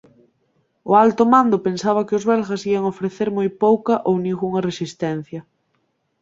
O Alto Mando pensaba que os belgas ían ofrecer moi pouca ou ningunha resistencia.